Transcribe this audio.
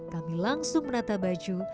kami langsung menata baju